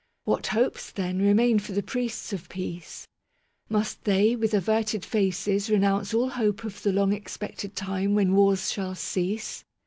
What hopes, then, remain for the priests of peace ? Must they, with averted faces, renounce all hope of the long expected time when wars shall cease